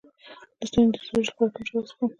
د ستوني د سوزش لپاره کوم چای وڅښم؟